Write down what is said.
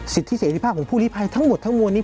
สิทธิเสรีภาพของผู้ลิภัยทั้งหมดทั้งมวลนี้